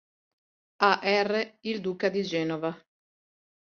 A. R. il Duca di Genova.